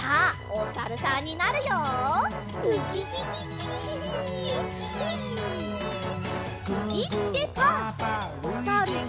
おさるさん。